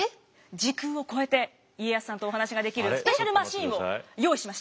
時空を超えて家康さんとお話ができるスペシャルマシンを用意しました。